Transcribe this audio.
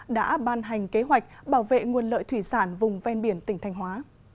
đã ban hành kế hoạch bảo vệ nguồn lợi thủy sản vùng ven biển tỉnh thanh hóa